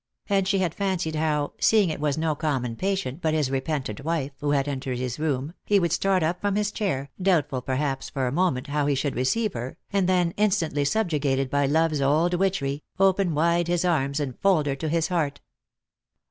And she had fancied how, seeing it was no common patient, but his repentant wife, who had entered his room, he would start up from his chair, doubtful perhaps for a moment how he should receive her, and then, instantly subjugated by love's old witchery, open wide his arms and fold her to his heart.